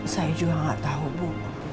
saya juga nggak tahu bu